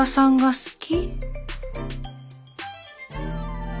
好き。